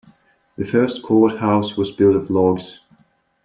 The first courthouse was built of logs.